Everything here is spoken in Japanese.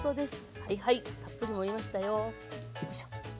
はいはいたっぷり盛りましたよ。